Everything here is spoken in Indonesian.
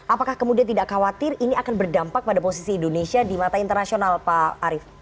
apakah kemudian tidak khawatir ini akan berdampak pada posisi indonesia di mata internasional pak arief